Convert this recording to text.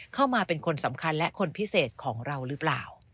เข้ามาเป็นคนสำคัญและคนพิเศษของเราหรือเปล่า